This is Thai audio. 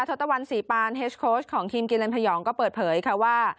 ทศตวรรณศรีปานเฮสโค้ชของทีมกิเลนพยองก็เปิดเผยค่ะว่า